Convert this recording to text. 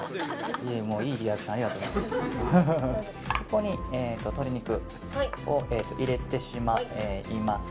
ここに鶏肉を入れてしまいます。